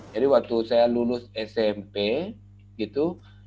jadi waktu saya lulus smp gitu